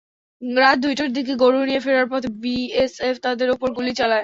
রাত দুইটার দিকে গরু নিয়ে ফেরার পথে বিএসএফ তাঁদের ওপর গুলি চালায়।